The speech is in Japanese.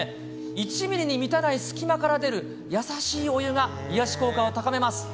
１ミリに満たない隙間から出る優しいお湯が、癒やし効果を高めます。